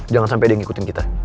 jangan sampai dia ngikutin kita